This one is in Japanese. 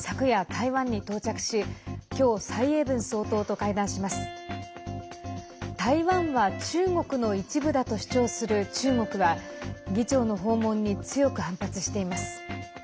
台湾は、中国の一部だと主張する中国は議長の訪問に強く反発しています。